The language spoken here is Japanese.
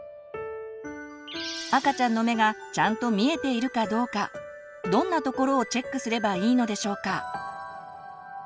赤ちゃんの目がちゃんと見えているかどうかどんなところをチェックすればいいのでしょうか？